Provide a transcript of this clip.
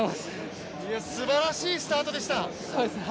すばらしいスタートでした！